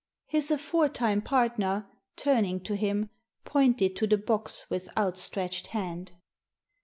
His aforetime partner, turning to him, pointed to the box with outstretched hand.